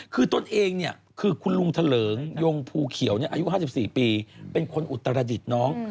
คือตนเองเนี่ยคือคุณลุงทะเลิงยงภูเขียวอายุ๕๔ปีเป็นคนอุตรดิษฐ์น้อง